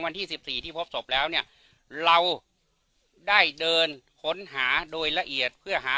วันที่สิบสี่ที่พบศพแล้วเนี่ยเราได้เดินค้นหาโดยละเอียดเพื่อหา